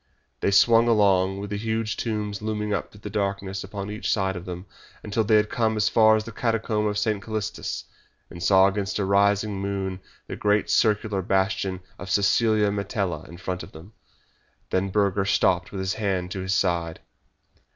They swung along, with the huge tombs looming up through the darkness upon each side of them, until they had come as far as the Catacombs of St. Calistus, and saw against a rising moon the great circular bastion of Cecilia Metella in front of them. Then Burger stopped with his hand to his side.